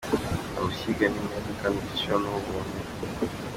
Aya mashyiga ni meza kandi igiciro ni nk'ubuntu,.